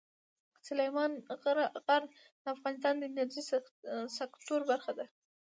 سلیمان غر د افغانستان د انرژۍ سکتور برخه ده.